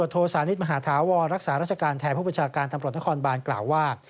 โทรสารณิชย์มหาธาวรรักษารักษาการแถมผู้ประชาการตำรวจนครบานกล่าวว่า